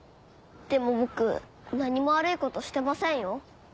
でも僕何も悪いことしてませんよ？